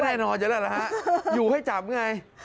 ก็แน่นอนเฉยแหละหรือฮะอยู่ให้จับไง